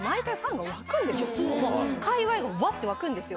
界隈がワッて沸くんですよ。